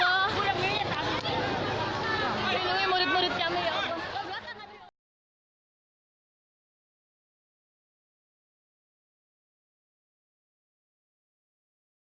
kamera pertama hanya